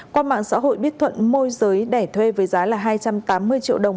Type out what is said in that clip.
qua mạng xã hội bích thuận môi giới đẻ thuê với giá là hai trăm tám mươi triệu đồng